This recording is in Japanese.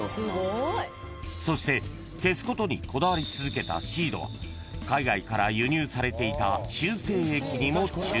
［そして消すことにこだわり続けたシードは海外から輸入されていた］